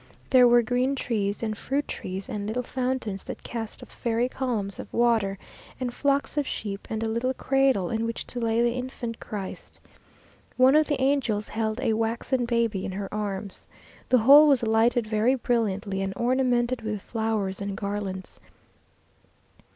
There were green trees and fruit trees, and little fountains that cast up fairy columns of water, and flocks of sheep, and a little cradle in which to lay the Infant Christ. One of the angels held a waxen baby in her arms. The whole was lighted very brilliantly, and ornamented with flowers and garlands.